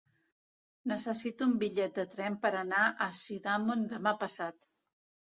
Necessito un bitllet de tren per anar a Sidamon demà passat.